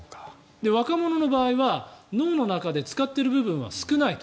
若者の場合は、脳の中で使っている部分は少ないと。